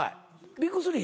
ＢＩＧ３？